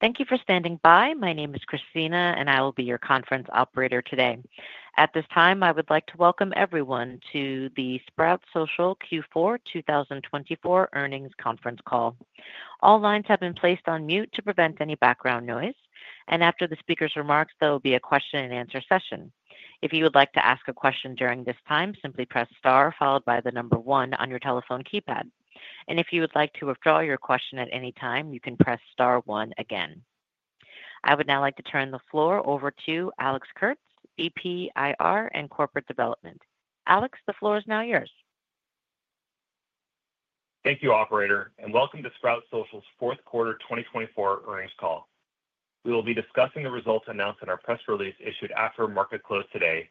Thank you for standing by. My name is Christina, and I will be your conference operator today. At this time, I would like to welcome everyone to the Sprout Social Q4 2024 Earnings Conference Call. All lines have been placed on mute to prevent any background noise, and after the speaker's remarks, there will be a question-and-answer session. If you would like to ask a question during this time, simply press star followed by the number one on your telephone keypad. And if you would like to withdraw your question at any time, you can press star one again. I would now like to turn the floor over to Alex Kurtz, VP IR and Corporate Development. Alex, the floor is now yours. Thank you, Operator, and welcome to Sprout Social's Fourth Quarter 2024 Earnings Call. We will be discussing the results announced in our press release issued after market close today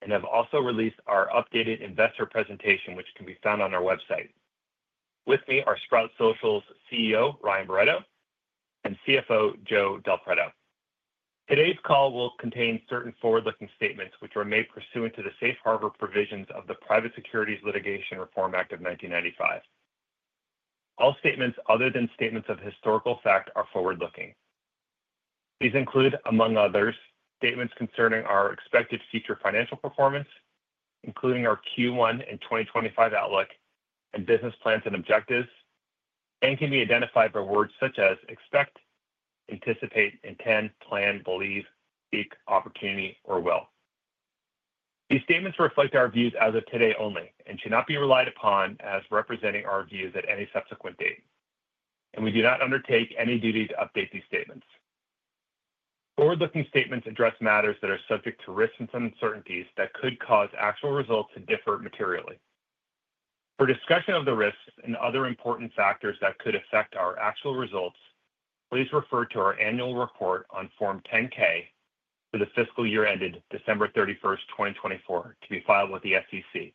and have also released our updated investor presentation, which can be found on our website. With me are Sprout Social's CEO, Ryan Barretto, and CFO, Joe Del Preto. Today's call will contain certain forward-looking statements, which are made pursuant to the safe harbor provisions of the Private Securities Litigation Reform Act of 1995. All statements other than statements of historical fact are forward-looking. These include, among others, statements concerning our expected future financial performance, including our Q1 and 2025 outlook, and business plans and objectives, and can be identified by words such as expect, anticipate, intend, plan, believe, seek, opportunity, or will. These statements reflect our views as of today only and should not be relied upon as representing our views at any subsequent date, and we do not undertake any duty to update these statements. Forward-looking statements address matters that are subject to risks and uncertainties that could cause actual results to differ materially. For discussion of the risks and other important factors that could affect our actual results, please refer to our annual report on Form 10-K for the fiscal year ended December 31st, 2024, to be filed with the SEC,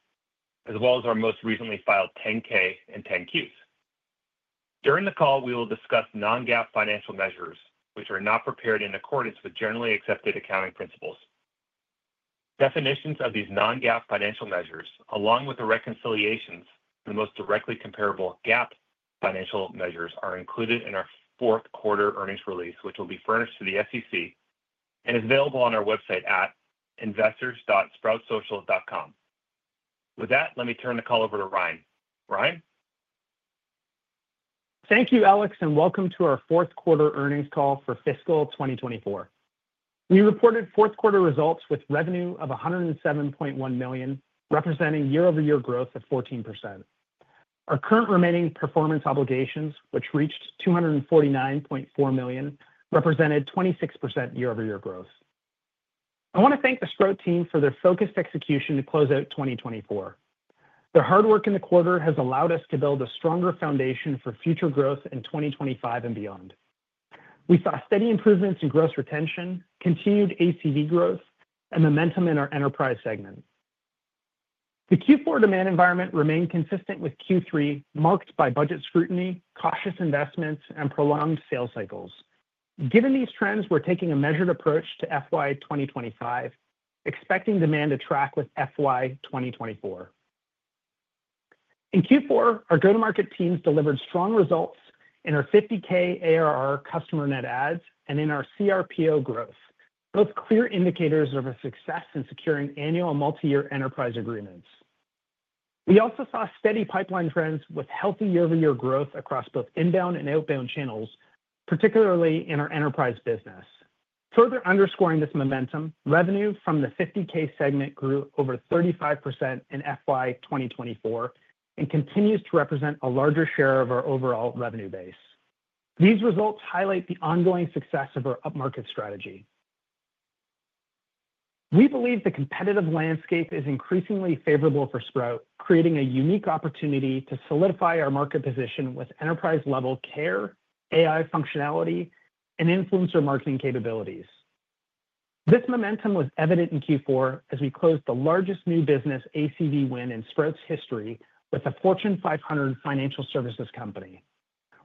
as well as our most recently filed 10-K and 10-Qs. During the call, we will discuss non-GAAP financial measures, which are not prepared in accordance with generally accepted accounting principles. Definitions of these non-GAAP financial measures, along with the reconciliations for the most directly comparable GAAP financial measures, are included in our fourth quarter earnings release, which will be furnished to the SEC and is available on our website at investors.sproutsocial.com. With that, let me turn the call over to Ryan. Ryan? Thank you, Alex, and welcome to our fourth quarter earnings call for fiscal 2024. We reported fourth quarter results with revenue of $107.1 million, representing year-over-year growth of 14%. Our current remaining performance obligations, which reached $249.4 million, represented 26% year-over-year growth. I want to thank the Sprout team for their focused execution to close out 2024. Their hard work in the quarter has allowed us to build a stronger foundation for future growth in 2025 and beyond. We saw steady improvements in gross retention, continued ACV growth, and momentum in our enterprise segment. The Q4 demand environment remained consistent with Q3, marked by budget scrutiny, cautious investments, and prolonged sales cycles. Given these trends, we're taking a measured approach to FY 2025, expecting demand to track with FY 2024. In Q4, our go-to-market teams delivered strong results in our $50K ARR customer net adds and in our cRPO growth, both clear indicators of a success in securing annual and multi-year enterprise agreements. We also saw steady pipeline trends with healthy year-over-year growth across both inbound and outbound channels, particularly in our enterprise business. Further underscoring this momentum, revenue from the $50K segment grew over 35% in FY 2024 and continues to represent a larger share of our overall revenue base. These results highlight the ongoing success of our up-market strategy. We believe the competitive landscape is increasingly favorable for Sprout, creating a unique opportunity to solidify our market position with enterprise-level care, AI functionality, and Influencer Marketing capabilities. This momentum was evident in Q4 as we closed the largest new business ACV win in Sprout's history with a Fortune 500 financial services company.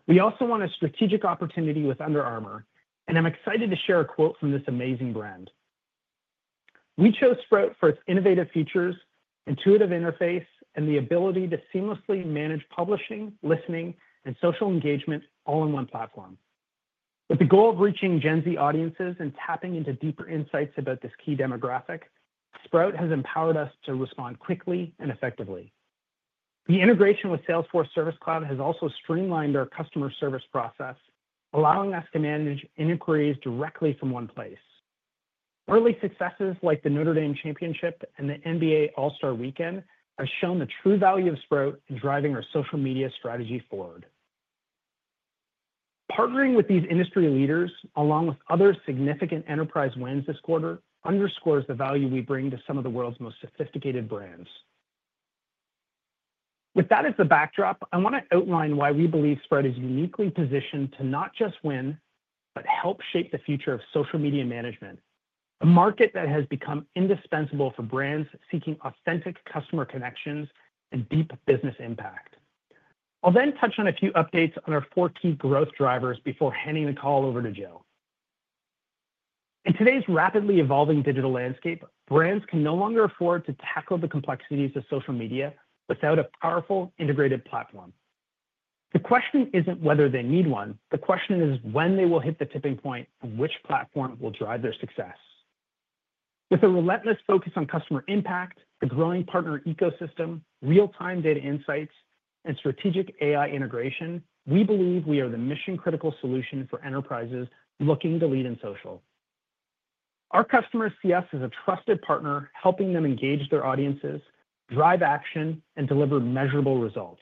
We also won a strategic opportunity with Under Armour, and I'm excited to share a quote from this amazing brand. "We chose Sprout for its innovative features, intuitive interface, and the ability to seamlessly manage publishing, listening, and social engagement all in one platform. With the goal of reaching Gen Z audiences and tapping into deeper insights about this key demographic, Sprout has empowered us to respond quickly and effectively. The integration with Salesforce Service Cloud has also streamlined our customer service process, allowing us to manage inquiries directly from one place. Early successes like the Notre Dame Championship and the NBA All-Star Weekend have shown the true value of Sprout in driving our social media strategy forward. Partnering with these industry leaders, along with other significant enterprise wins this quarter, underscores the value we bring to some of the world's most sophisticated brands. With that as the backdrop, I want to outline why we believe Sprout is uniquely positioned to not just win, but help shape the future of social media management, a market that has become indispensable for brands seeking authentic customer connections and deep business impact. I'll then touch on a few updates on our four key growth drivers before handing the call over to Joe. In today's rapidly evolving digital landscape, brands can no longer afford to tackle the complexities of social media without a powerful integrated platform. The question isn't whether they need one; the question is when they will hit the tipping point and which platform will drive their success. With a relentless focus on customer impact, a growing partner ecosystem, real-time data insights, and strategic AI integration, we believe we are the mission-critical solution for enterprises looking to lead in social. Our customers see us as a trusted partner, helping them engage their audiences, drive action, and deliver measurable results.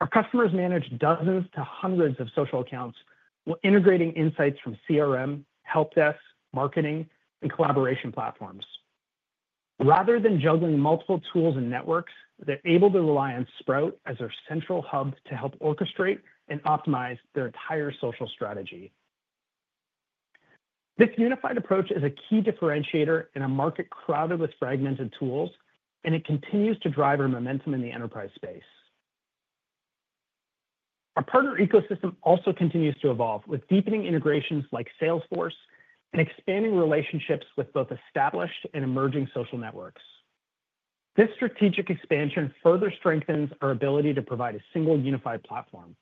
Our customers manage dozens to hundreds of social accounts while integrating insights from CRM, help desk, marketing, and collaboration platforms. Rather than juggling multiple tools and networks, they're able to rely on Sprout as their central hub to help orchestrate and optimize their entire social strategy. This unified approach is a key differentiator in a market crowded with fragmented tools, and it continues to drive our momentum in the enterprise space. Our partner ecosystem also continues to evolve with deepening integrations like Salesforce and expanding relationships with both established and emerging social networks. This strategic expansion further strengthens our ability to provide a single unified platform.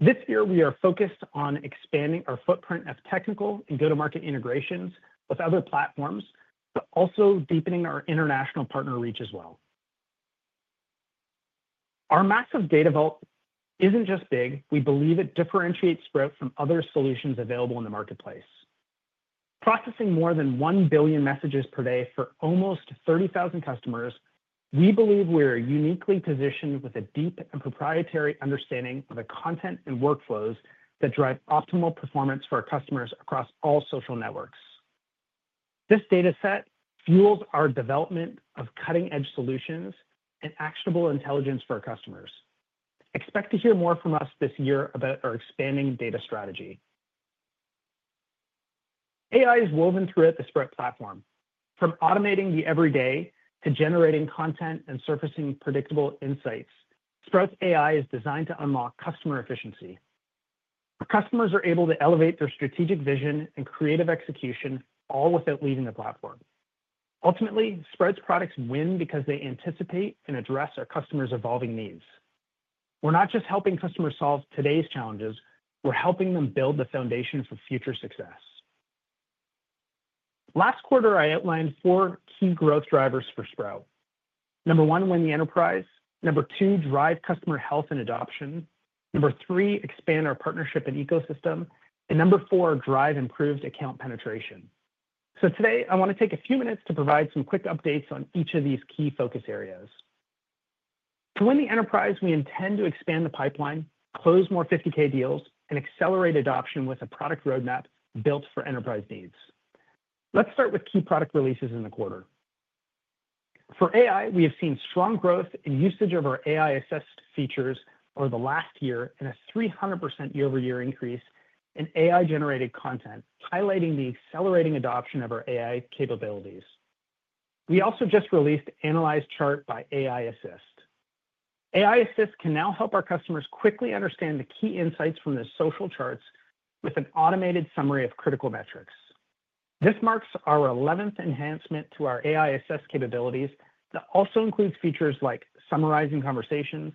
This year, we are focused on expanding our footprint of technical and go-to-market integrations with other platforms, but also deepening our international partner reach as well. Our massive data vault isn't just big. We believe it differentiates Sprout from other solutions available in the marketplace. Processing more than 1 billion messages per day for almost 30,000 customers, we believe we are uniquely positioned with a deep and proprietary understanding of the content and workflows that drive optimal performance for our customers across all social networks. This data set fuels our development of cutting-edge solutions and actionable intelligence for our customers. Expect to hear more from us this year about our expanding data strategy. AI is woven throughout the Sprout platform. From automating the everyday to generating content and surfacing predictable insights, Sprout's AI is designed to unlock customer efficiency. Our customers are able to elevate their strategic vision and creative execution all without leaving the platform. Ultimately, Sprout's products win because they anticipate and address our customers' evolving needs. We're not just helping customers solve today's challenges. We're helping them build the foundation for future success. Last quarter, I outlined four key growth drivers for Sprout. Number one, win the enterprise. Number two, drive customer health and adoption. Number three, expand our partnership and ecosystem. And number four, drive improved account penetration. So today, I want to take a few minutes to provide some quick updates on each of these key focus areas. To win the enterprise, we intend to expand the pipeline, close more $50K deals, and accelerate adoption with a product roadmap built for enterprise needs. Let's start with key product releases in the quarter. For AI, we have seen strong growth in usage of our AI Assist features over the last year and a 300% year-over-year increase in AI-generated content, highlighting the accelerating adoption of our AI capabilities. We also just released Analyze Chart by AI Assist. AI Assist can now help our customers quickly understand the key insights from the social charts with an automated summary of critical metrics. This marks our 11th enhancement to our AI Assist capabilities that also includes features like summarizing conversations,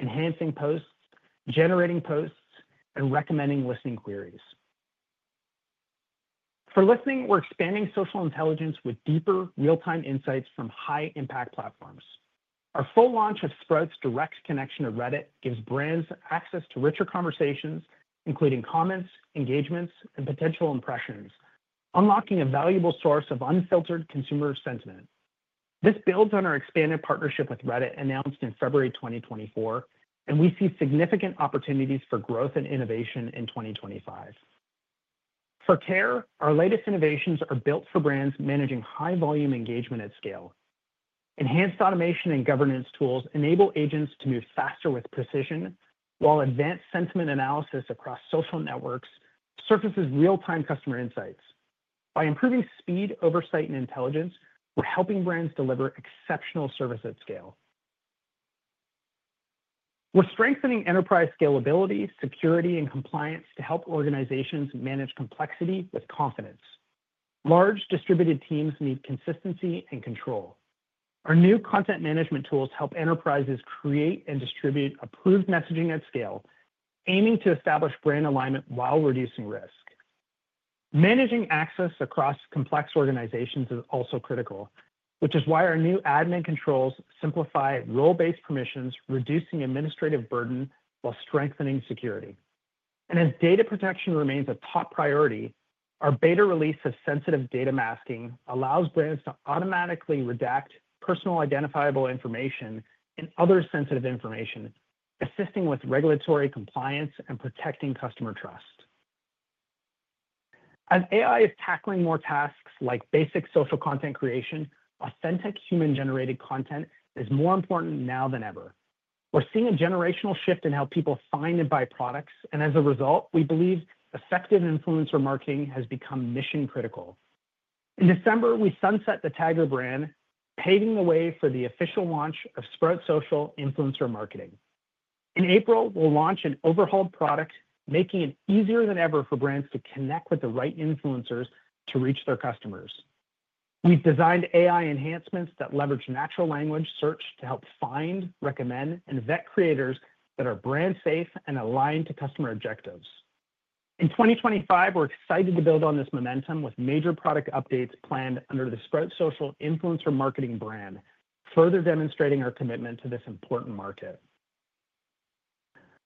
enhancing posts, generating posts, and recommending listening queries. For listening, we're expanding social intelligence with deeper real-time insights from high-impact platforms. Our full launch of Sprout's direct connection to Reddit gives brands access to richer conversations, including comments, engagements, and potential impressions, unlocking a valuable source of unfiltered consumer sentiment. This builds on our expanded partnership with Reddit, announced in February 2024, and we see significant opportunities for growth and innovation in 2025. For care, our latest innovations are built for brands managing high-volume engagement at scale. Enhanced automation and governance tools enable agents to move faster with precision, while advanced sentiment analysis across social networks surfaces real-time customer insights. By improving speed, oversight, and intelligence, we're helping brands deliver exceptional service at scale. We're strengthening enterprise scalability, security, and compliance to help organizations manage complexity with confidence. Large distributed teams need consistency and control. Our new content management tools help enterprises create and distribute approved messaging at scale, aiming to establish brand alignment while reducing risk. Managing access across complex organizations is also critical, which is why our new admin controls simplify role-based permissions, reducing administrative burden while strengthening security. As data protection remains a top priority, our beta release of Sensitive Data Masking allows brands to automatically redact personally identifiable information and other sensitive information, assisting with regulatory compliance and protecting customer trust. As AI is tackling more tasks like basic social content creation, authentic human-generated content is more important now than ever. We're seeing a generational shift in how people find and buy products, and as a result, we believe effective Influencer Marketing has become mission-critical. In December, we sunset the Tagger brand, paving the way for the official launch of Sprout Social Influencer Marketing. In April, we'll launch an overhauled product, making it easier than ever for brands to connect with the right influencers to reach their customers. We've designed AI enhancements that leverage natural language search to help find, recommend, and vet creators that are brand-safe and aligned to customer objectives. In 2025, we're excited to build on this momentum with major product updates planned under the Sprout Social Influencer Marketing brand, further demonstrating our commitment to this important market.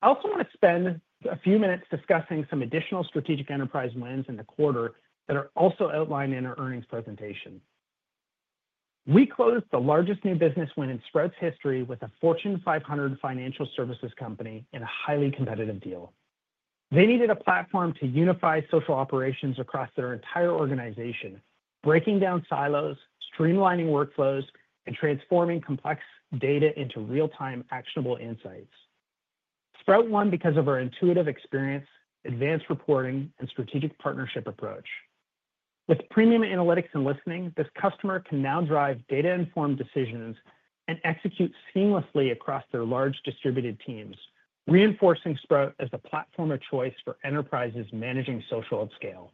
I also want to spend a few minutes discussing some additional strategic enterprise wins in the quarter that are also outlined in our earnings presentation. We closed the largest new business win in Sprout's history with a Fortune 500 financial services company in a highly competitive deal. They needed a platform to unify social operations across their entire organization, breaking down silos, streamlining workflows, and transforming complex data into real-time actionable insights. Sprout won because of our intuitive experience, advanced reporting, and strategic partnership approach. With premium analytics and listening, this customer can now drive data-informed decisions and execute seamlessly across their large distributed teams, reinforcing Sprout as the platform of choice for enterprises managing social at scale.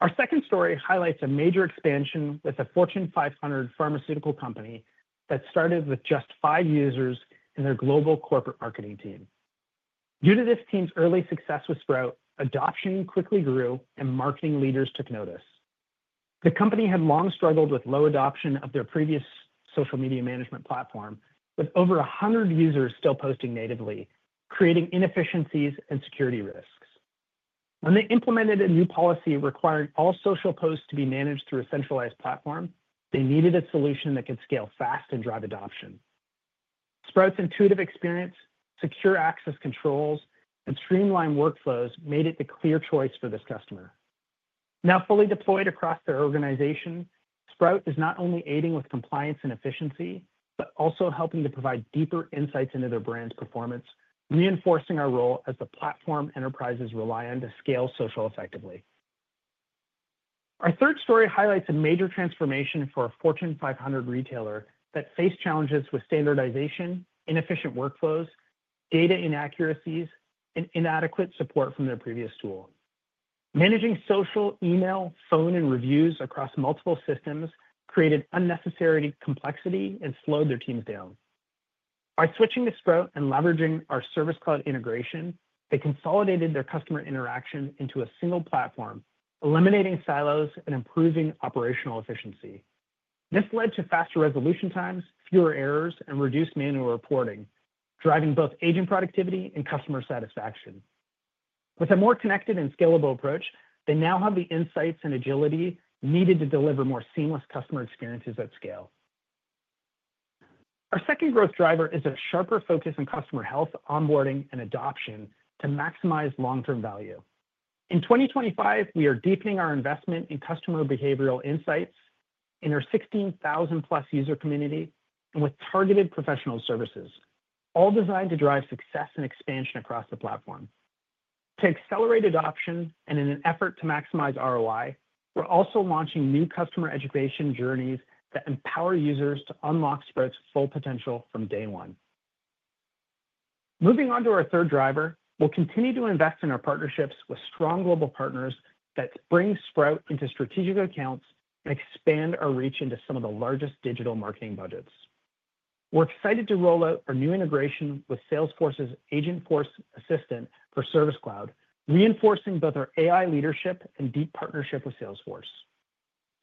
Our second story highlights a major expansion with a Fortune 500 pharmaceutical company that started with just five users and their global corporate marketing team. Due to this team's early success with Sprout, adoption quickly grew, and marketing leaders took notice. The company had long struggled with low adoption of their previous social media management platform, with over 100 users still posting natively, creating inefficiencies and security risks. When they implemented a new policy requiring all social posts to be managed through a centralized platform, they needed a solution that could scale fast and drive adoption. Sprout's intuitive experience, secure access controls, and streamlined workflows made it the clear choice for this customer. Now fully deployed across their organization, Sprout is not only aiding with compliance and efficiency, but also helping to provide deeper insights into their brand's performance, reinforcing our role as the platform enterprises rely on to scale social effectively. Our third story highlights a major transformation for a Fortune 500 retailer that faced challenges with standardization, inefficient workflows, data inaccuracies, and inadequate support from their previous tool. Managing social, email, phone, and reviews across multiple systems created unnecessary complexity and slowed their teams down. By switching to Sprout and leveraging our Service Cloud integration, they consolidated their customer interaction into a single platform, eliminating silos and improving operational efficiency. This led to faster resolution times, fewer errors, and reduced manual reporting, driving both agent productivity and customer satisfaction. With a more connected and scalable approach, they now have the insights and agility needed to deliver more seamless customer experiences at scale. Our second growth driver is a sharper focus on customer health, onboarding, and adoption to maximize long-term value. In 2025, we are deepening our investment in customer behavioral insights in our 16,000+ user community and with targeted professional services, all designed to drive success and expansion across the platform. To accelerate adoption and in an effort to maximize ROI, we're also launching new customer education journeys that empower users to unlock Sprout's full potential from day one. Moving on to our third driver, we'll continue to invest in our partnerships with strong global partners that bring Sprout into strategic accounts and expand our reach into some of the largest digital marketing budgets. We're excited to roll out our new integration with Salesforce's Agentforce Assistant for Service Cloud, reinforcing both our AI leadership and deep partnership with Salesforce.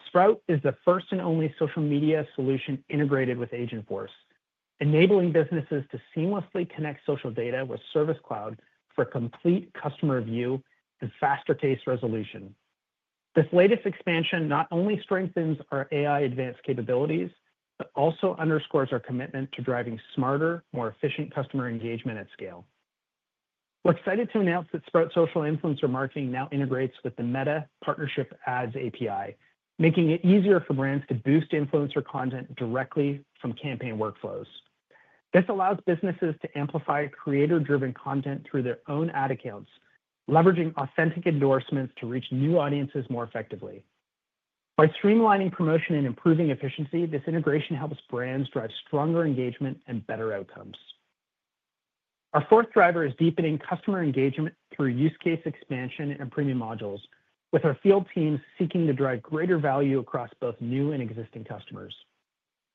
Sprout is the first and only social media solution integrated with Agentforce, enabling businesses to seamlessly connect social data with Service Cloud for complete customer view and faster case resolution. This latest expansion not only strengthens our AI advanced capabilities, but also underscores our commitment to driving smarter, more efficient customer engagement at scale. We're excited to announce that Sprout Social Influencer Marketing now integrates with the Meta Partnership Ads API, making it easier for brands to boost influencer content directly from campaign workflows. This allows businesses to amplify creator-driven content through their own ad accounts, leveraging authentic endorsements to reach new audiences more effectively. By streamlining promotion and improving efficiency, this integration helps brands drive stronger engagement and better outcomes. Our fourth driver is deepening customer engagement through use case expansion and premium modules, with our field teams seeking to drive greater value across both new and existing customers.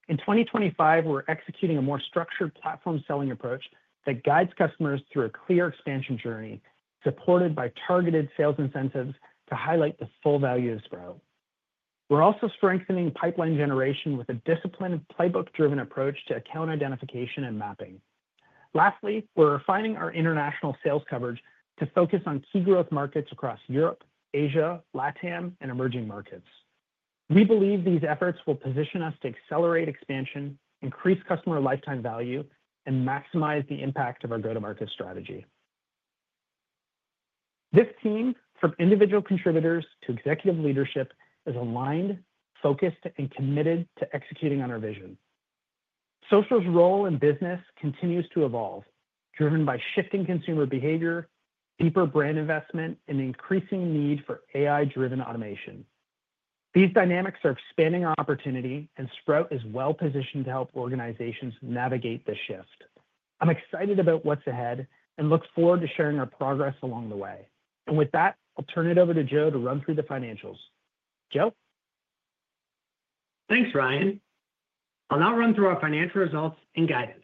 In 2025, we're executing a more structured platform selling approach that guides customers through a clear expansion journey, supported by targeted sales incentives to highlight the full value of Sprout. We're also strengthening pipeline generation with a disciplined playbook-driven approach to account identification and mapping. Lastly, we're refining our international sales coverage to focus on key growth markets across Europe, Asia, LATAM, and emerging markets. We believe these efforts will position us to accelerate expansion, increase customer lifetime value, and maximize the impact of our go-to-market strategy. This team, from individual contributors to executive leadership, is aligned, focused, and committed to executing on our vision. Social's role in business continues to evolve, driven by shifting consumer behavior, deeper brand investment, and increasing need for AI-driven automation. These dynamics are expanding our opportunity, and Sprout is well-positioned to help organizations navigate this shift. I'm excited about what's ahead and look forward to sharing our progress along the way. And with that, I'll turn it over to Joe to run through the financials. Joe? Thanks, Ryan. I'll now run through our financial results and guidance.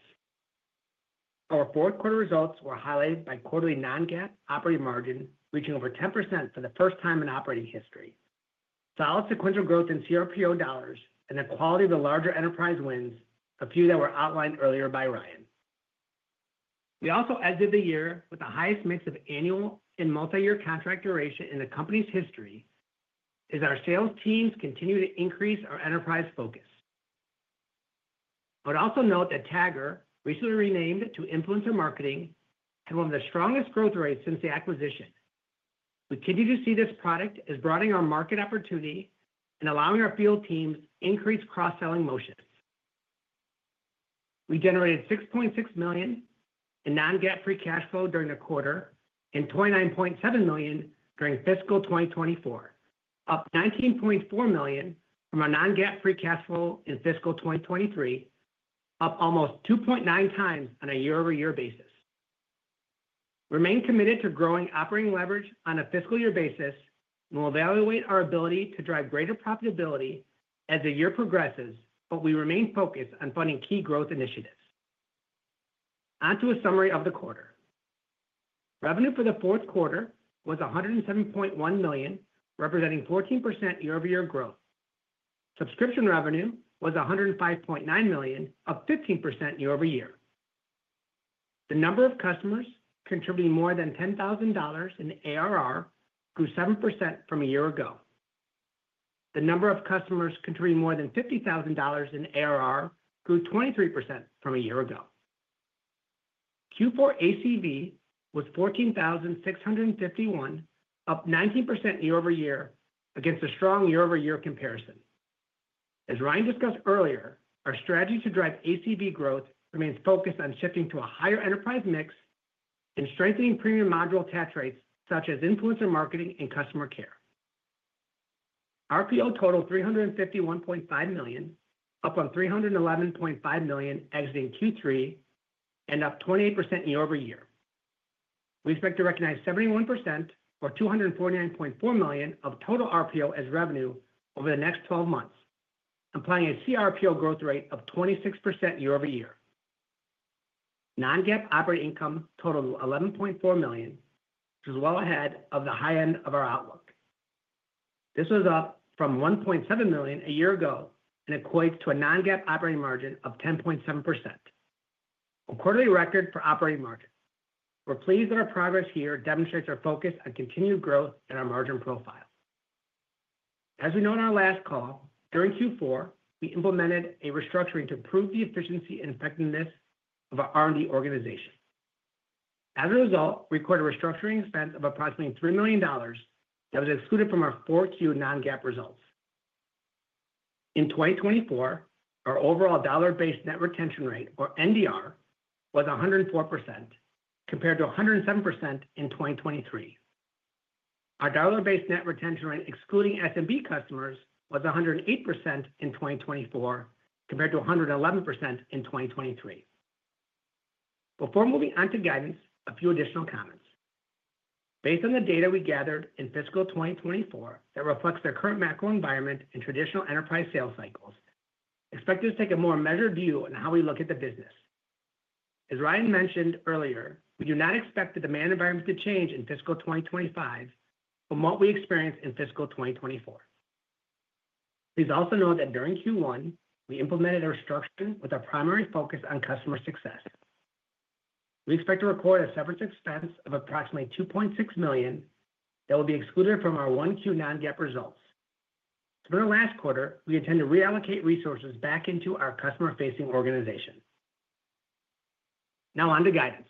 Our fourth quarter results were highlighted by quarterly non-GAAP operating margin reaching over 10% for the first time in operating history. Solid sequential growth in cRPO dollars and the quality of the larger enterprise wins, a few that were outlined earlier by Ryan. We also exited the year with the highest mix of annual and multi-year contract duration in the company's history as our sales teams continue to increase our enterprise focus. I would also note that Tagger recently renamed to Influencer Marketing had one of the strongest growth rates since the acquisition. We continue to see this product as broadening our market opportunity and allowing our field teams to increase cross-selling motions. We generated $6.6 million in non-GAAP free cash flow during the quarter and $29.7 million during fiscal 2024, up $19.4 million from our non-GAAP free cash flow in fiscal 2023, up almost 2.9x on a year-over-year basis. We remain committed to growing operating leverage on a fiscal year basis and will evaluate our ability to drive greater profitability as the year progresses, but we remain focused on funding key growth initiatives. Onto a summary of the quarter. Revenue for the fourth quarter was $107.1 million, representing 14% year-over-year growth. Subscription revenue was $105.9 million, up 15% year-over-year. The number of customers contributing more than $10,000 in ARR grew 7% from a year ago. The number of customers contributing more than $50,000 in ARR grew 23% from a year ago. Q4 ACV was $14,651, up 19% year-over-year against a strong year-over-year comparison. As Ryan discussed earlier, our strategy to drive ACV growth remains focused on shifting to a higher enterprise mix and strengthening premium module attach rates, such as Influencer Marketing and Customer Care. RPO totaled $351.5 million, up from $311.5 million exiting Q3 and up 28% year-over-year. We expect to recognize 71% or $249.4 million of total RPO as revenue over the next 12 months, implying a cRPO growth rate of 26% year-over-year. Non-GAAP operating income totaled $11.4 million, which is well ahead of the high end of our outlook. This was up from $1.7 million a year ago and equates to a non-GAAP operating margin of 10.7%. A quarterly record for operating margin. We're pleased that our progress here demonstrates our focus on continued growth and our margin profile. As we noted on our last call, during Q4, we implemented a restructuring to improve the efficiency and effectiveness of our R&D organization. As a result, we recorded a restructuring expense of approximately $3 million that was excluded from our 4Q non-GAAP results. In 2024, our overall dollar-based Net Retention Rate, or NDR, was 104%, compared to 107% in 2023. Our dollar-based Net Retention Rate, excluding SMB customers, was 108% in 2024, compared to 111% in 2023. Before moving on to guidance, a few additional comments. Based on the data we gathered in fiscal 2024 that reflects their current macro environment and traditional enterprise sales cycles, we expect to take a more measured view on how we look at the business. As Ryan mentioned earlier, we do not expect the demand environment to change in fiscal 2025 from what we experienced in fiscal 2024. Please also note that during Q1, we implemented a restructuring with our primary focus on customer success. We expect to record a separate expense of approximately $2.6 million that will be excluded from our 1Q non-GAAP results. For the last quarter, we intend to reallocate resources back into our customer-facing organization. Now on to guidance.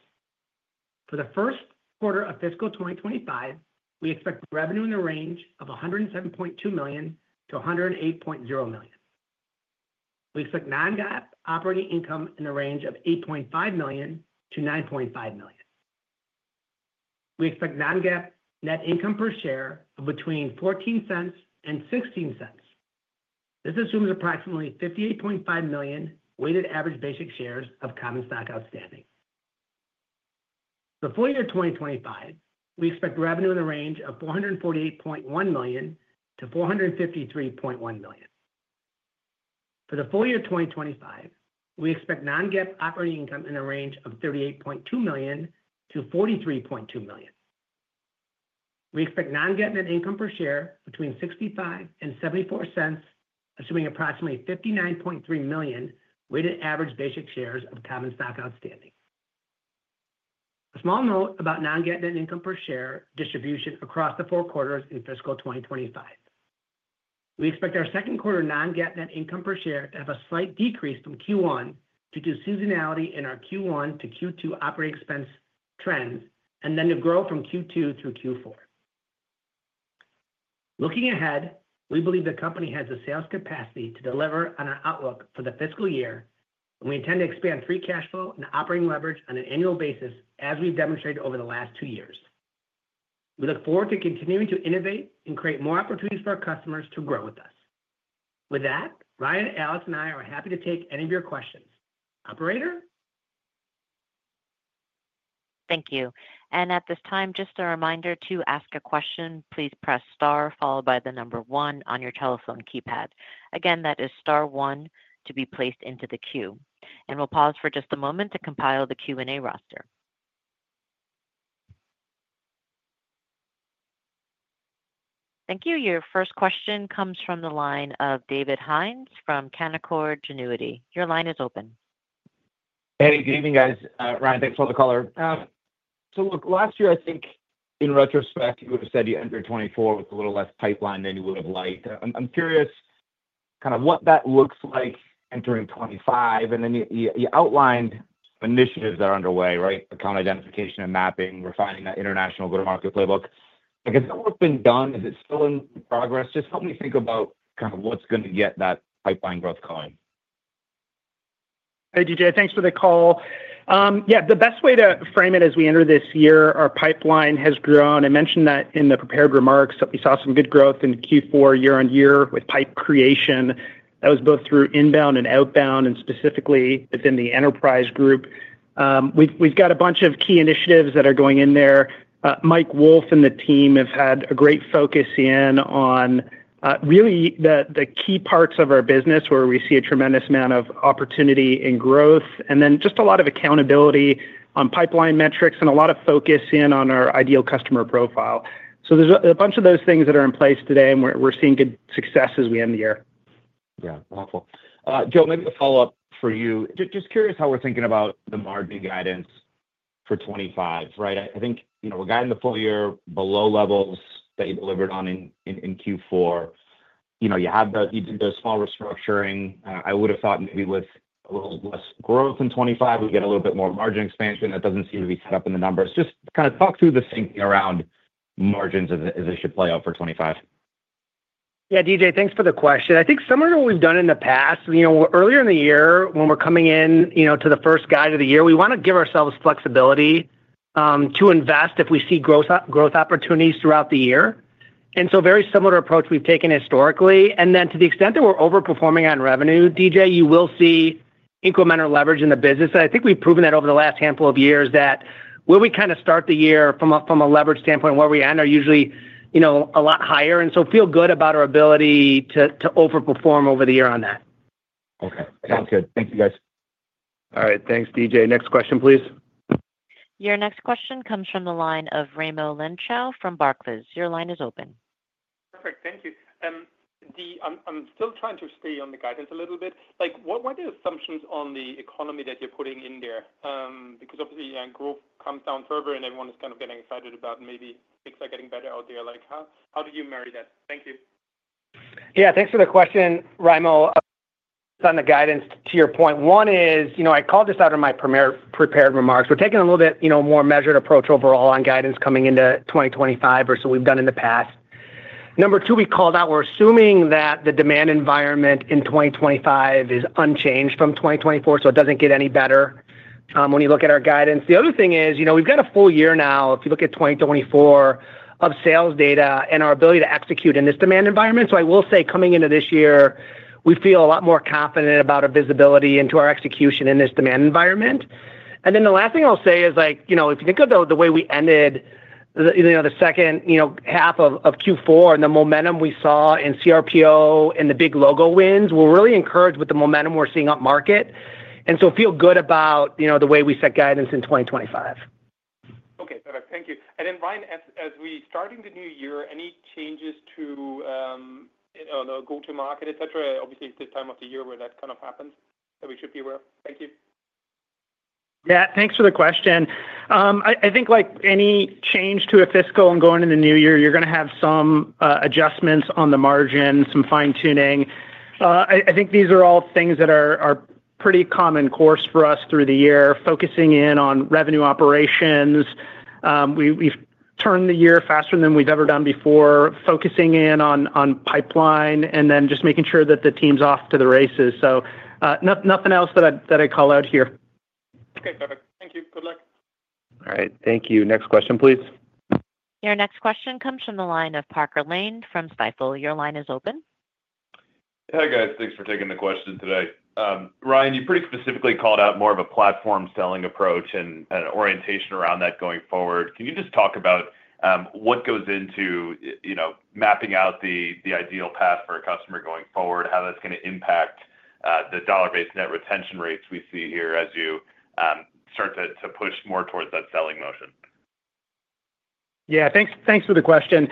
For the first quarter of fiscal 2025, we expect revenue in the range of $107.2 million-$108.0 million. We expect non-GAAP operating income in the range of $8.5 million-$9.5 million. We expect non-GAAP net income per share of between $0.14 and $0.16. This assumes approximately 58.5 million weighted average basic shares of common stock outstanding. For full year 2025, we expect revenue in the range of $448.1 million-$453.1 million. For the full year 2025, we expect non-GAAP operating income in the range of $38.2 million-$43.2 million. We expect non-GAAP net income per share between $0.65 and $0.74, assuming approximately 59.3 million weighted average basic shares of common stock outstanding. A small note about non-GAAP net income per share distribution across the four quarters in fiscal 2025. We expect our second quarter non-GAAP net income per share to have a slight decrease from Q1 due to seasonality in our Q1 to Q2 operating expense trends and then to grow from Q2 through Q4. Looking ahead, we believe the company has the sales capacity to deliver on our outlook for the fiscal year, and we intend to expand free cash flow and operating leverage on an annual basis as we've demonstrated over the last two years. We look forward to continuing to innovate and create more opportunities for our customers to grow with us. With that, Ryan, Alex, and I are happy to take any of your questions. Operator? Thank you. And at this time, just a reminder to ask a question, please press star followed by the number one on your telephone keypad. Again, that is star one to be placed into the queue. And we'll pause for just a moment to compile the Q&A roster. Thank you. Your first question comes from the line of David Hynes from Canaccord Genuity. Your line is open. Hey, good evening, guys. Ryan, thanks for the call. So last year, I think in retrospect, you would have said you entered 2024 with a little less pipeline than you would have liked. I'm curious kind of what that looks like entering 2025. And then you outlined initiatives that are underway, right? Account identification and mapping, refining that international go-to-market playbook. I guess what's been done? Is it still in progress? Just help me think about kind of what's going to get that pipeline growth going. Hey, DJ, thanks for the call. Yeah, the best way to frame it as we enter this year, our pipeline has grown. I mentioned that in the prepared remarks, that we saw some good growth in Q4 year-on-year with pipe creation. That was both through inbound and outbound, and specifically within the enterprise group. We've got a bunch of key initiatives that are going in there. Mike Wolff and the team have had a great focus in on really the key parts of our business where we see a tremendous amount of opportunity and growth, and then just a lot of accountability on pipeline metrics and a lot of focus in on our ideal customer profile. So there's a bunch of those things that are in place today, and we're seeing good success as we end the year. Yeah, wonderful. Joe, maybe a follow-up for you. Just curious how we're thinking about the margin guidance for 2025, right? I think we're guiding the full year below levels that you delivered on in Q4. You did the small restructuring. I would have thought maybe with a little less growth in 2025, we'd get a little bit more margin expansion. That doesn't seem to be set up in the numbers. Just kind of talk through the thinking around margins as they should play out for 2025? Yeah, DJ, thanks for the question. I think similar to what we've done in the past. Earlier in the year, when we're coming into the first guidance of the year, we want to give ourselves flexibility to invest if we see growth opportunities throughout the year, and so very similar approach we've taken historically. And then to the extent that we're overperforming on revenue, DJ, you will see incremental leverage in the business. And I think we've proven that over the last handful of years that where we kind of start the year from a leverage standpoint, where we end are usually a lot higher. And so feel good about our ability to overperform over the year on that. Okay, sounds good. Thank you, guys. All right, thanks, DJ. Next question, please. Your next question comes from the line of Raimo Lenschow from Barclays. Your line is open. Perfect, thank you. I'm still trying to stay on the guidance a little bit. What are the assumptions on the economy that you're putting in there? Because obviously, growth comes down further, and everyone is kind of getting excited about maybe things are getting better out there. How do you marry that? Thank you. Yeah, thanks for the question, Raimo. On the guidance, to your point, one is I called this out in my prepared remarks. We're taking a little bit more measured approach overall on guidance coming into 2025 than we've done in the past. Number two, we called out we're assuming that the demand environment in 2025 is unchanged from 2024, so it doesn't get any better when you look at our guidance. The other thing is we've got a full year now, if you look at 2024, of sales data and our ability to execute in this demand environment. So I will say coming into this year, we feel a lot more confident about our visibility into our execution in this demand environment. And then the last thing I'll say is if you think of the way we ended the second half of Q4 and the momentum we saw in cRPO and the big logo wins, we're really encouraged with the momentum we're seeing up market. And so feel good about the way we set guidance in 2025. Okay, perfect. Thank you. And then, Ryan, as we start the new year, any changes to the go-to-market, etc.? Obviously, it's this time of the year where that kind of happens that we should be aware of. Thank you. Yeah, thanks for the question. I think like any change to a fiscal end and going into the new year, you're going to have some adjustments on the margin, some fine-tuning. I think these are all things that are pretty common course for us through the year, focusing in on revenue operations. We've turned the year faster than we've ever done before, focusing in on pipeline and then just making sure that the team's off to the races. So nothing else that I call out here. Okay, perfect. Thank you. Good luck. All right, thank you. Next question, please. Your next question comes from the line of Parker Lane from Stifel. Your line is open. Hey, guys. Thanks for taking the question today. Ryan, you pretty specifically called out more of a platform selling approach and an orientation around that going forward. Can you just talk about what goes into mapping out the ideal path for a customer going forward, how that's going to impact the dollar-based net retention rates we see here as you start to push more towards that selling motion? Yeah, thanks for the question.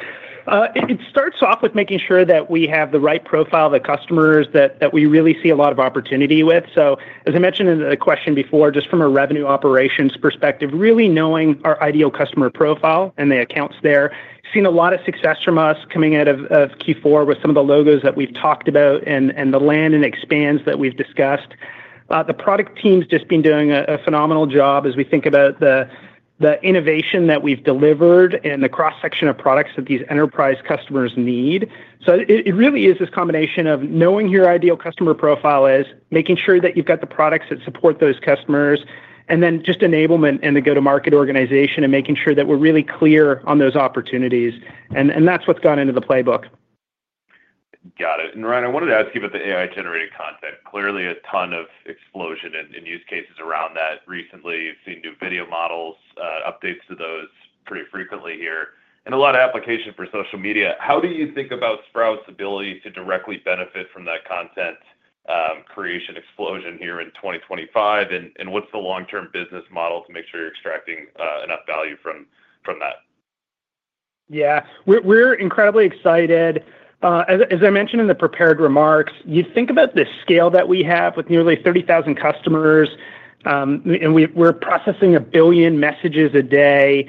It starts off with making sure that we have the right profile of the customers that we really see a lot of opportunity with. So as I mentioned in the question before, just from a revenue operations perspective, really knowing our ideal customer profile and the accounts there, seeing a lot of success from us coming out of Q4 with some of the logos that we've talked about and the land and expands that we've discussed. The product team's just been doing a phenomenal job as we think about the innovation that we've delivered and the cross-section of products that these enterprise customers need. So it really is this combination of knowing your ideal customer profile is, making sure that you've got the products that support those customers, and then just enablement and the go-to-market organization and making sure that we're really clear on those opportunities. And that's what's gone into the playbook. Got it. And Ryan, I wanted to ask you about the AI-generated content. Clearly, a ton of explosion in use cases around that recently. You've seen new video models, updates to those pretty frequently here, and a lot of application for social media. How do you think about Sprout's ability to directly benefit from that content creation explosion here in 2025? And what's the long-term business model to make sure you're extracting enough value from that? Yeah, we're incredibly excited. As I mentioned in the prepared remarks, you think about the scale that we have with nearly 30,000 customers, and we're processing a billion messages a day.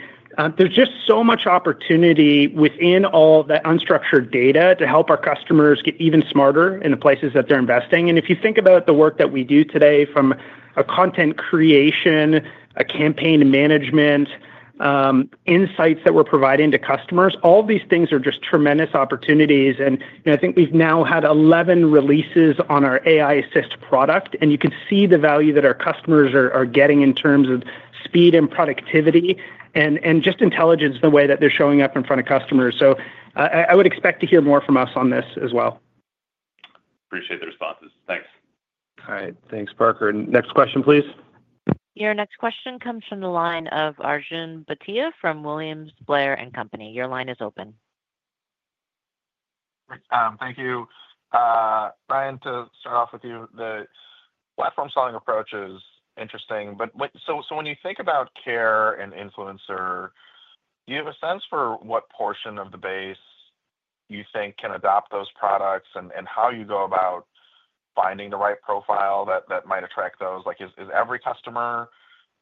There's just so much opportunity within all the unstructured data to help our customers get even smarter in the places that they're investing. And if you think about the work that we do today from a content creation, a campaign management, insights that we're providing to customers, all of these things are just tremendous opportunities. And I think we've now had 11 releases on our AI Assist product, and you can see the value that our customers are getting in terms of speed and productivity and just intelligence in the way that they're showing up in front of customers. So I would expect to hear more from us on this as well. Appreciate the responses. Thanks. All right, thanks, Parker. Next question, please. Your next question comes from the line of Arjun Bhatia from William Blair & Company. Your line is open. Thank you. Ryan, to start off with you, the platform selling approach is interesting. So when you think about care and influencer, do you have a sense for what portion of the base you think can adopt those products and how you go about finding the right profile that might attract those? Is every customer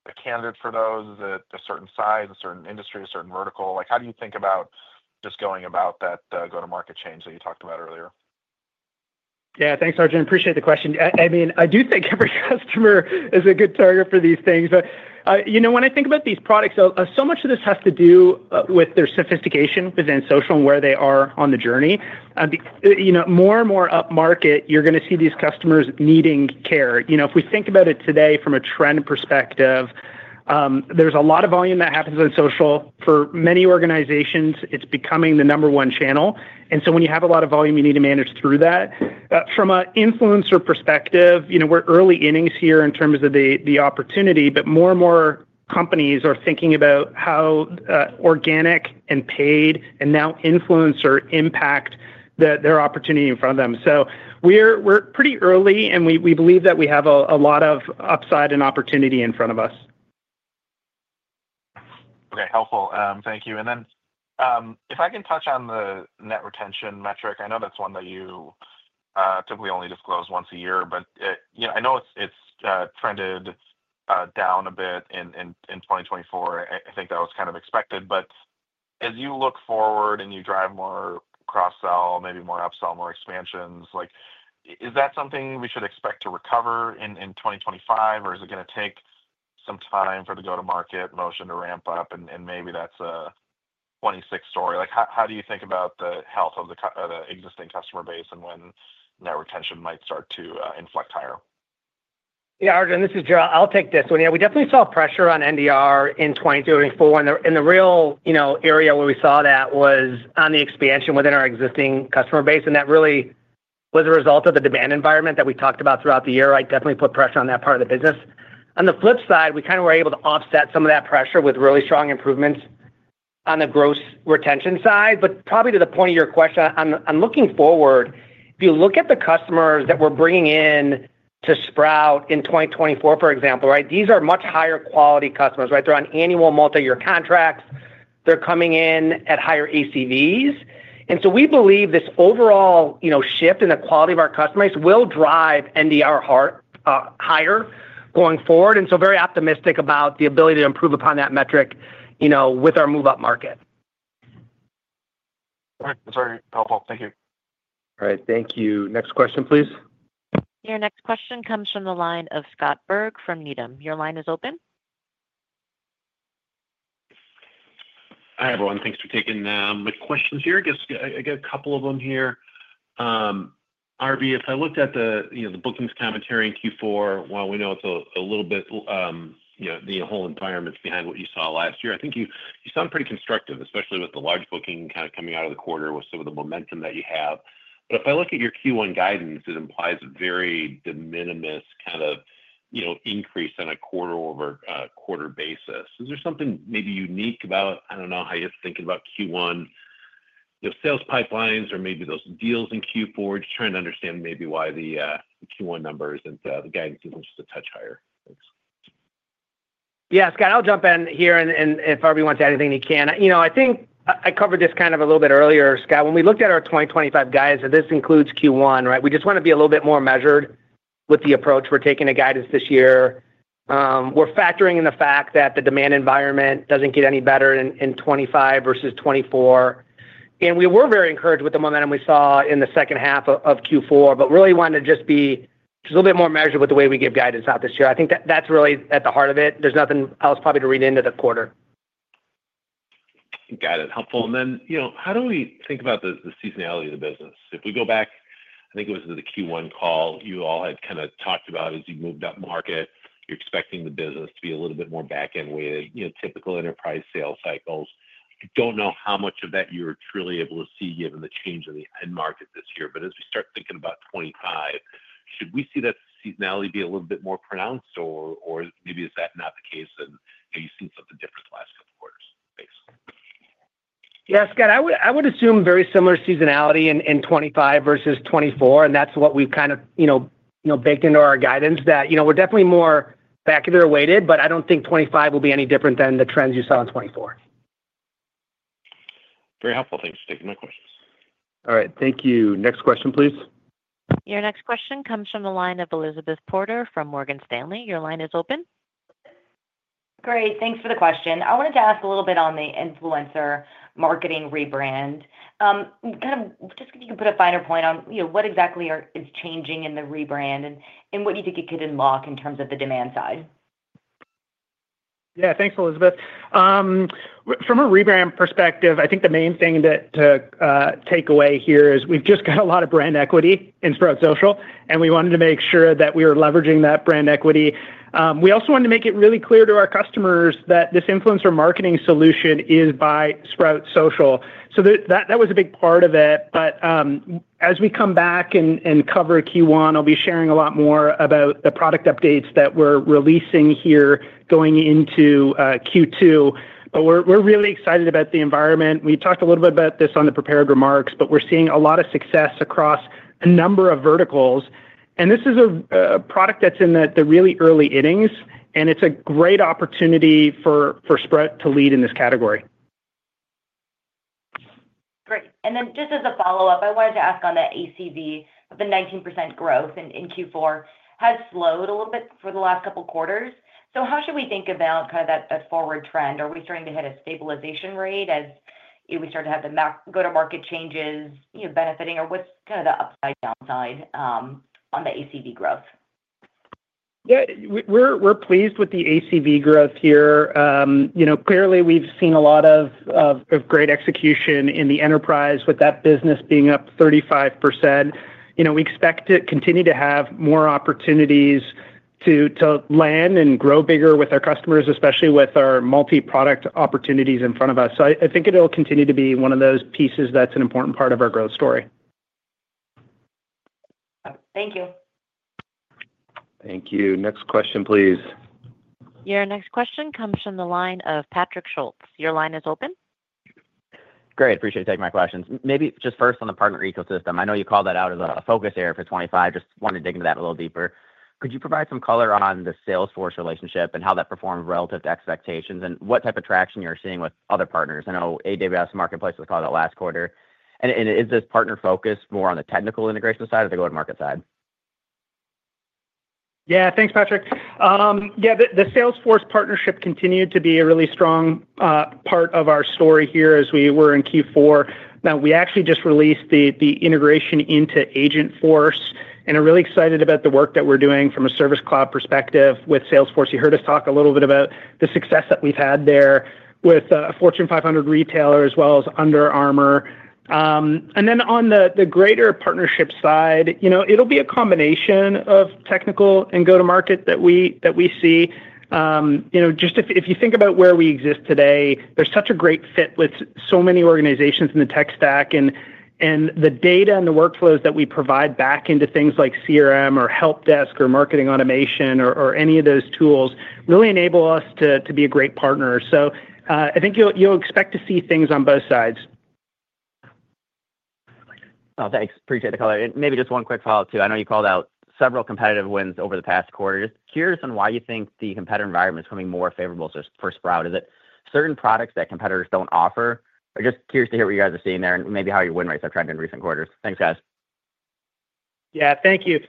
a candidate for those? Is it a certain size, a certain industry, a certain vertical? How do you think about just going about that go-to-market change that you talked about earlier? Yeah, thanks, Arjun. Appreciate the question. I mean, I do think every customer is a good target for these things. But when I think about these products, so much of this has to do with their sophistication within social and where they are on the journey. More and more up market, you're going to see these customers needing care. If we think about it today from a trend perspective, there's a lot of volume that happens on social. For many organizations, it's becoming the number one channel. And so when you have a lot of volume, you need to manage through that. From an influencer perspective, we're early innings here in terms of the opportunity, but more and more companies are thinking about how organic and paid and now influencer impact their opportunity in front of them. So we're pretty early, and we believe that we have a lot of upside and opportunity in front of us. Okay, helpful. Thank you. And then if I can touch on the net retention metric, I know that's one that you typically only disclose once a year, but I know it's trended down a bit in 2024. I think that was kind of expected. But as you look forward and you drive more cross-sell, maybe more upsell, more expansions, is that something we should expect to recover in 2025, or is it going to take some time for the go-to-market motion to ramp up, and maybe that's a 2026 story? How do you think about the health of the existing customer base and when net retention might start to inflect higher? Yeah, Arjun, this is Joe. I'll take this one. Yeah, we definitely saw pressure on NDR in 2024. And the real area where we saw that was on the expansion within our existing customer base. And that really was a result of the demand environment that we talked about throughout the year. I definitely put pressure on that part of the business. On the flip side, we kind of were able to offset some of that pressure with really strong improvements on the gross retention side. But probably to the point of your question, I'm looking forward. If you look at the customers that we're bringing in to Sprout in 2024, for example, right, these are much higher quality customers, right? They're on annual multi-year contracts. They're coming in at higher ACVs. And so we believe this overall shift in the quality of our customers will drive NDR higher going forward. And so very optimistic about the ability to improve upon that metric with our move-up market. All right, that's very helpful. Thank you. All right, thank you. Next question, please. Your next question comes from the line of Scott Berg from Needham. Your line is open. Hi, everyone. Thanks for taking my questions here. I guess I got a couple of them here. Ryan, if I looked at the bookings commentary in Q4, while we know it's a little bit the whole environment behind what you saw last year, I think you sound pretty constructive, especially with the large booking kind of coming out of the quarter with some of the momentum that you have. But if I look at your Q1 guidance, it implies a very de minimis kind of increase on a quarter-over-quarter basis. Is there something maybe unique about, I don't know, how you're thinking about Q1 sales pipelines or maybe those deals in Q4? Just trying to understand maybe why the Q1 guidance isn't just a touch higher. Thanks. Yeah, Scott, I'll jump in here. And if Ryan wants to add anything, he can. I think I covered this kind of a little bit earlier, Scott. When we looked at our 2025 guidance, and this includes Q1, right, we just want to be a little bit more measured with the approach we're taking to guidance this year. We're factoring in the fact that the demand environment doesn't get any better in 2025 versus 2024. And we were very encouraged with the momentum we saw in the second half of Q4, but really wanted to be a little bit more measured with the way we give guidance out this year. I think that's really at the heart of it. There's nothing else probably to read into the quarter. Got it. Helpful. And then how do we think about the seasonality of the business? If we go back, I think it was in the Q1 call, you all had kind of talked about as you moved up market, you're expecting the business to be a little bit more back-end-weighted, typical enterprise sales cycles. Don't know how much of that you're truly able to see given the change in the end market this year. But as we start thinking about 2025, should we see that seasonality be a little bit more pronounced, or maybe is that not the case? And have you seen something different the last couple of quarters? Yeah, Scott, I would assume very similar seasonality in 2025 versus 2024, and that's what we've kind of baked into our guidance, that we're definitely more back-end-weighted, but I don't think 2025 will be any different than the trends you saw in 2024. Very helpful. Thanks for taking my questions. All right, thank you. Next question, please. Your next question comes from the line of Elizabeth Porter from Morgan Stanley. Your line is open. Great. Thanks for the question. I wanted to ask a little bit on the Influencer Marketing rebrand. Kind of just if you can put a finer point on what exactly is changing in the rebrand and what you think it could unlock in terms of the demand side. Yeah, thanks, Elizabeth. From a rebrand perspective, I think the main thing to take away here is we've just got a lot of brand equity in Sprout Social, and we wanted to make sure that we were leveraging that brand equity. We also wanted to make it really clear to our customers that this Influencer Marketing Solution is by Sprout Social. So that was a big part of it. But as we come back and cover Q1, I'll be sharing a lot more about the product updates that we're releasing here going into Q2. But we're really excited about the environment. We talked a little bit about this on the prepared remarks, but we're seeing a lot of success across a number of verticals. And this is a product that's in the really early innings, and it's a great opportunity for Sprout to lead in this category. Great. And then just as a follow-up, I wanted to ask on that ACV, the 19% growth in Q4 has slowed a little bit for the last couple of quarters. So how should we think about kind of that forward trend? Are we starting to hit a stabilization rate as we start to have the go-to-market changes benefiting, or what's kind of the upside downside on the ACV growth? Yeah, we're pleased with the ACV growth here. Clearly, we've seen a lot of great execution in the enterprise with that business being up 35%. We expect to continue to have more opportunities to land and grow bigger with our customers, especially with our multi-product opportunities in front of us. So I think it'll continue to be one of those pieces that's an important part of our growth story. Thank you. Thank you. Next question, please. Your next question comes from the line of Patrick Schulte. Your line is open. Great. Appreciate you taking my questions. Maybe just first on the partner ecosystem. I know you called that out as a focus area for 2025. Just wanted to dig into that a little deeper. Could you provide some color on the Salesforce relationship and how that performed relative to expectations and what type of traction you're seeing with other partners? I know AWS Marketplace was called out last quarter, and is this partner focused more on the technical integration side or the go-to-market side? Yeah, thanks, Patrick. Yeah, the Salesforce partnership continued to be a really strong part of our story here as we were in Q4. Now, we actually just released the integration into Agentforce, and we're really excited about the work that we're doing from a Service Cloud perspective with Salesforce. You heard us talk a little bit about the success that we've had there with a Fortune 500 retailer as well as Under Armour, and then on the greater partnership side, it'll be a combination of technical and go-to-market that we see. Just if you think about where we exist today, there's such a great fit with so many organizations in the tech stack. And the data and the workflows that we provide back into things like CRM or Help Desk or marketing automation or any of those tools really enable us to be a great partner. So I think you'll expect to see things on both sides. Oh, thanks. Appreciate the color. And maybe just one quick follow-up too. I know you called out several competitive wins over the past quarter. Just curious on why you think the competitive environment is coming more favorable for Sprout. Is it certain products that competitors don't offer? I'm just curious to hear what you guys are seeing there and maybe how your win rates have trended in recent quarters. Thanks, guys. Yeah, thank you.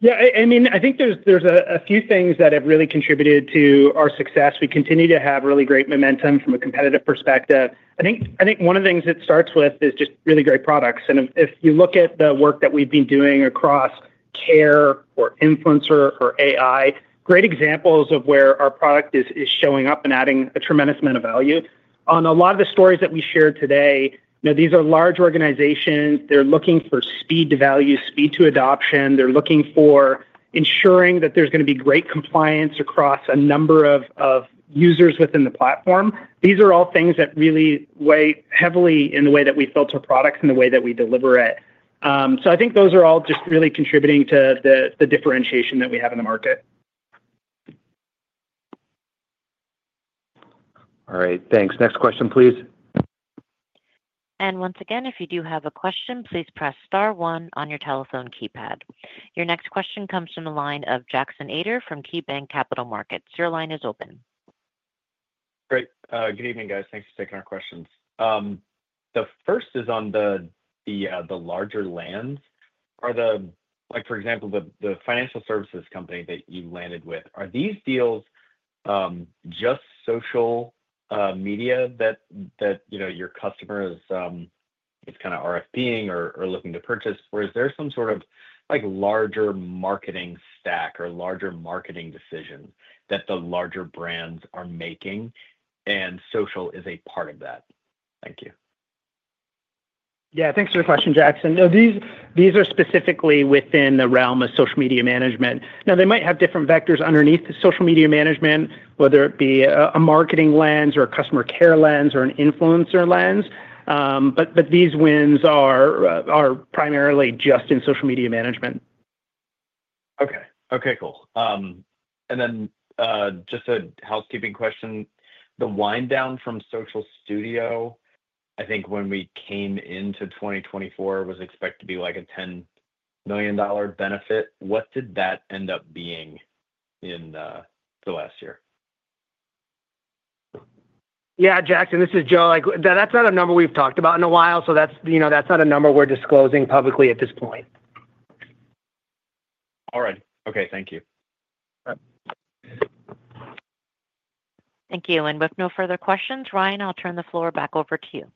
Yeah, I mean, I think there's a few things that have really contributed to our success. We continue to have really great momentum from a competitive perspective. I think one of the things it starts with is just really great products, and if you look at the work that we've been doing across Care or Influencer or AI, great examples of where our product is showing up and adding a tremendous amount of value. On a lot of the stories that we shared today, these are large organizations. They're looking for speed to value, speed to adoption. They're looking for ensuring that there's going to be great compliance across a number of users within the platform. These are all things that really weigh heavily in the way that we filter products and the way that we deliver it, so I think those are all just really contributing to the differentiation that we have in the market. All right, thanks. Next question, please. And once again, if you do have a question, please press star one on your telephone keypad. Your next question comes from the line of Jackson Ader from KeyBanc Capital Markets. Your line is open. Great. Good evening, guys. Thanks for taking our questions. The first is on the larger lands. For example, the financial services company that you landed with, are these deals just social media that your customers are kind of RFP-ing or looking to purchase? Or is there some sort of larger marketing stack or larger marketing decisions that the larger brands are making, and social is a part of that? Thank you. Yeah, thanks for the question, Jackson. These are specifically within the realm of social media management. Now, they might have different vectors underneath social media management, whether it be a marketing lens or a customer care lens or an influencer lens. But these wins are primarily just in social media management. Okay. Okay, cool. And then just a housekeeping question. The wind-down from Social Studio, I think when we came into 2024, was expected to be like a $10 million benefit. What did that end up being in the last year? Yeah, Jackson, this is Joe. That's not a number we've talked about in a while, so that's not a number we're disclosing publicly at this point. All right. Okay, thank you. Thank you. And with no further questions, Ryan, I'll turn the floor back over to you.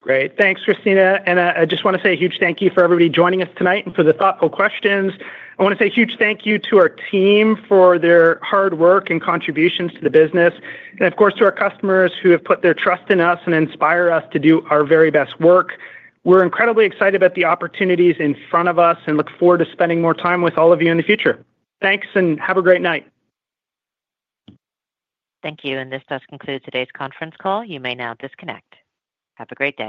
Great. Thanks, Christina. And I just want to say a huge thank you for everybody joining us tonight and for the thoughtful questions. I want to say a huge thank you to our team for their hard work and contributions to the business. And of course, to our customers who have put their trust in us and inspire us to do our very best work. We're incredibly excited about the opportunities in front of us and look forward to spending more time with all of you in the future. Thanks, and have a great night. Thank you. And this does conclude today's conference call. You may now disconnect. Have a great day.